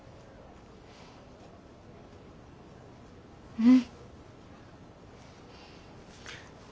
うん。